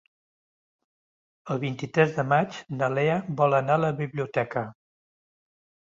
El vint-i-tres de maig na Lea vol anar a la biblioteca.